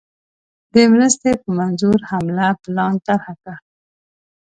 د مرستي په منظور حمله پلان طرح کړ.